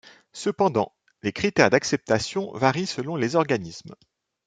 Cependant, les critères d'acceptation varient selon les organismes.